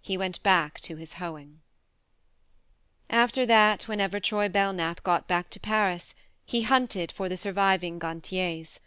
He went back to his hoeing. After that, whenever Troy Belknap got back to Paris he hunted for the surviving Gantiers.